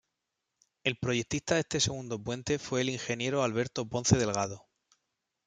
El proyectista de este segundo puente fue el Ing. Alberto Ponce Delgado.